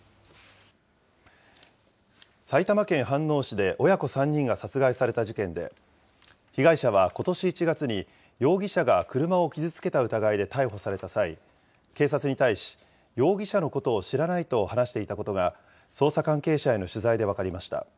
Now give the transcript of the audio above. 埼玉県飯能市で親子３人が殺害された事件で、被害者はことし１月に、容疑者が車を傷つけた疑いで逮捕された際、警察に対し、容疑者のことを知らないと話していたことが、捜査関係者への取材で分かりました。